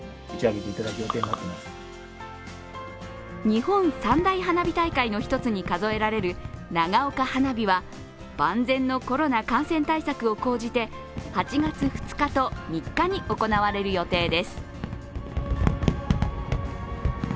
日本三大花火大会の一つに数えられる、長岡花火は万全のコロナ感染対策を講じて８月２日と３日に行われる予定です。